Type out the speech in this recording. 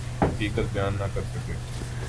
حقیقت بیان نہ کر سکے۔